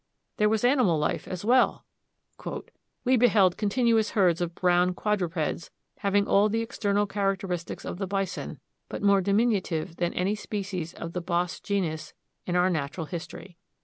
There was animal life as well; "we beheld continuous herds of brown quadrupeds, having all the external characteristics of the bison, but more diminutive than any species of the bos genus in our natural history."